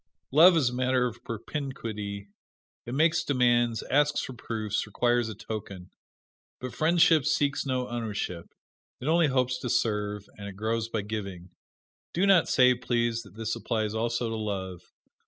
Love is a matter of propinquity; it makes demands, asks for proofs, requires a token. But friendship seeks no ownership it only hopes to serve, and it grows by giving. Do not say, please, that this applies also to love.